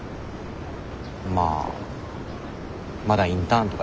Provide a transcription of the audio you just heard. まあまだインターンとかやけど。